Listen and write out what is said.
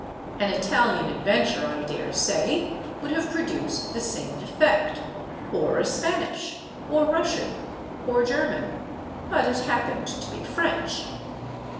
An Italian adventure, I daresay, would have produced the same effect, or a Spanish, or Russian, or German. But it happened to be French.